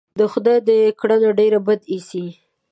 د خدای دا کړنه ډېره بده اېسي.